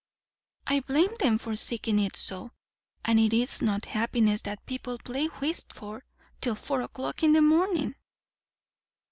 "I blame them for seeking it so. And it is not happiness that people play whist for, till four o'clock in the morning."